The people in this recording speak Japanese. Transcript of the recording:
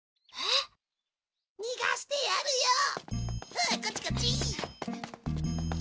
ほらこっちこっち。